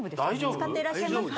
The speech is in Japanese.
使っていらっしゃいますか？